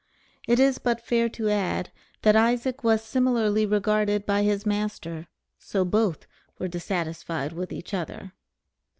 It is but fair to add that Isaac was similarly regarded by his master, so both were dissatisfied with each other.